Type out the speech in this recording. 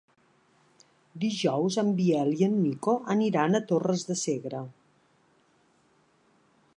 Dijous en Biel i en Nico aniran a Torres de Segre.